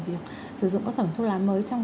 việc sử dụng các sản phẩm thuốc lá mới trong